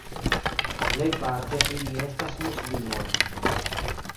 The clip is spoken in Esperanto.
Plejparte ili estas muslimoj.